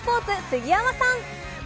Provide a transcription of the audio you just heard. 杉山さん。